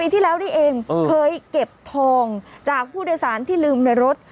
ที่แล้วนี่เองเคยเก็บทองจากผู้โดยสารที่ลืมในรถ